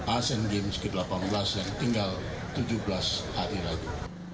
asean games ke delapan belas yang tinggal tujuh belas hari lagi